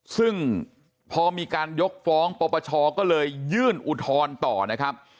ซึ่งพอมีการยกฟ้องปปชก็เลยยื่นอุทธรณ์ต่อนะครับ